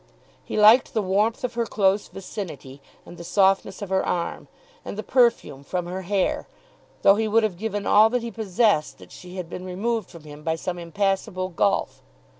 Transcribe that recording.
He liked the warmth of her close vicinity, and the softness of her arm, and the perfume from her hair, though he would have given all that he possessed that she had been removed from him by some impassable gulf.